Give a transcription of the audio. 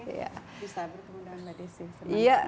bisa berkembang mbak desy